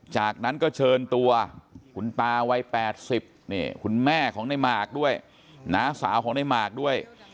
จากนั้นก็เชิญตัวคุณตาวัย๘๐คุณแม่ของในหมากด้วยน้าสาวของในหมากด้วย